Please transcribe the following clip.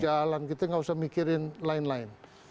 jalan kita nggak usah mikirin lain lain